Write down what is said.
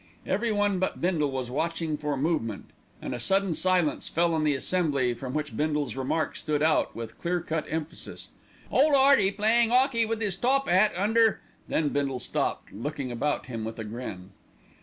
Every one but Bindle was watching for the movement, and a sudden silence fell on the assembly from which Bindle's remark stood out with clear cut emphasis. "Ole 'Earty playing 'ockey with 'is top 'at under " Then Bindle stopped, looking about him with a grin.